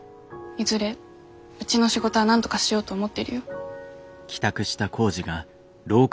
いずれうちの仕事はなんとかしようと思ってるよ。